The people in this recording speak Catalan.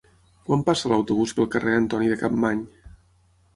Quan passa l'autobús pel carrer Antoni de Capmany?